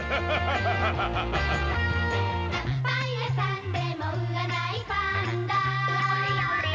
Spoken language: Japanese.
「パン屋さんでも売らないパンダ」